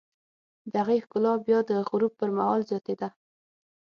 د هغې ښکلا بیا د غروب پر مهال زیاتېده.